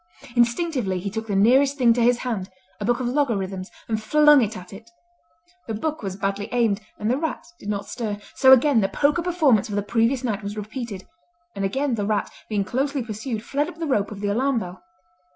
Instinctively he took the nearest thing to his hand, a book of logarithms, and flung it at it. The book was badly aimed and the rat did not stir, so again the poker performance of the previous night was repeated; and again the rat, being closely pursued, fled up the rope of the alarm bell.